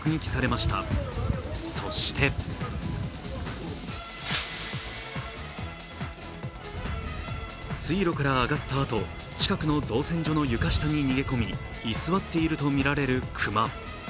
そしてそして、水路から上がったあと近くの造船所の床下に逃げ込み居座っているとみられる熊。